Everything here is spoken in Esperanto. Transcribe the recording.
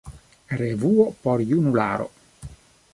Revuo por junularo.